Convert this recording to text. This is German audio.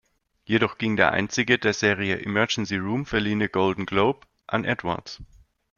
Jedoch ging der einzige der Serie "Emergency Room" verliehene Golden Globe an Edwards.